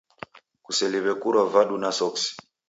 Kuseliw'e kurwa vadu na soksi.